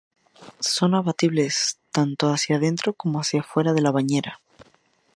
Son abatibles tanto hacia dentro como hacia fuera de la bañera.